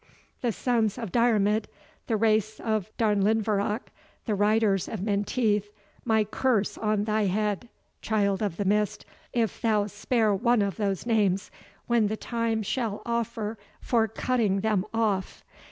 The sons of Diarmid the race of Darnlinvarach the riders of Menteith my curse on thy head, Child of the Mist, if thou spare one of those names, when the time shall offer for cutting them off!